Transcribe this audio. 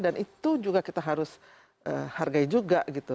dan itu juga kita harus hargai juga gitu